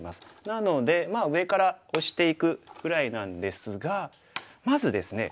なので上からオシていくぐらいなんですがまずですね